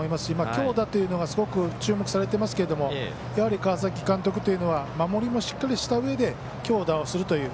強打というのがすごく注目されてますけどやはり、川崎監督というのは守りもしっかりしたうえで強打をするという。